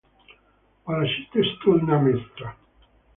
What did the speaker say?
Положите стул - на место!